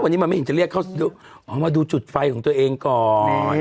วันนี้มันไม่เห็นจะเรียกเขามาดูจุดไฟของตัวเองก่อน